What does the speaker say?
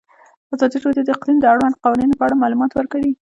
ازادي راډیو د اقلیم د اړونده قوانینو په اړه معلومات ورکړي.